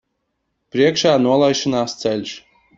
Priekšā nolaišanās ceļš.